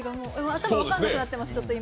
頭が分かんなくなってます、今。